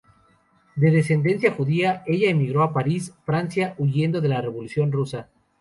De ascendencia judía, ella emigró a París, Francia, huyendo de la Revolución rusa.